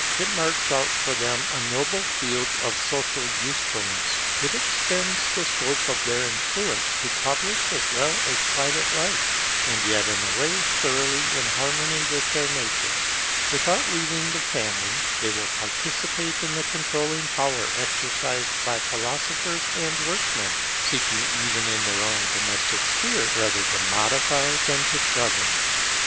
It marks out for them a noble field of social usefulness. It extends the scope of their influence to public as well as private life, and yet in a way thoroughly in harmony with their nature. Without leaving the family, they will participate in the controlling power exercised by philosophers and workmen, seeking even in their own domestic sphere rather to modify than to govern.